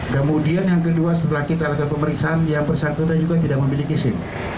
kemudian yang kedua setelah kita lakukan pemeriksaan yang bersangkutan juga tidak memiliki sim